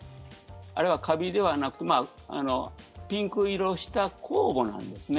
あれはカビではなくピンク色した酵母なんですね。